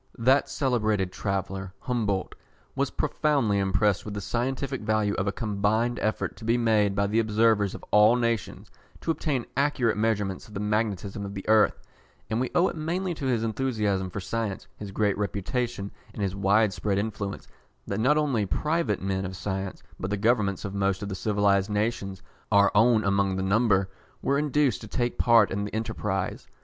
That celebrated traveller, Humboldt, was profoundly impressed with the scientific value of a combined effort to be made by the observers of all nations, to obtain accurate measurements of the magnetism of the earth; and we owe it mainly to his enthusiasm for science, his great reputation and his wide spread influence, that not only private men of science, but the governments of most of the civilised nations, our own among the number, were induced to take part in the enterprise.